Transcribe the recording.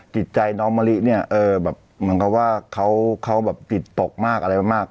จิตใจน้องมะลิเนี่ยเออแบบเหมือนกับว่าเขาแบบจิตตกมากอะไรมาก